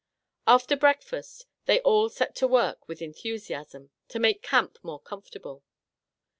After breakfast they all set to work with enthusiasm to make camp more comfortable.